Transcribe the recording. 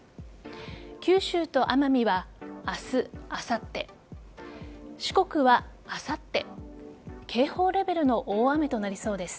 九州と奄美は、明日、あさって四国はあさって警報レベルの大雨となりそうです。